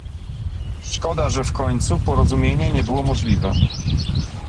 Szkoda, że w końcu porozumienie nie było możliwe